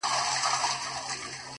پر جبين باندې لښکري پيدا کيږي؛